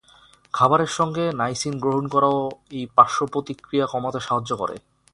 খাবারের সঙ্গে নাইসিন গ্রহণ করাও এই পার্শ্বপ্রতিক্রিয়া কমাতে সাহায্য করে।